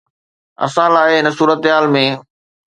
اسان لاء هن صورتحال ۾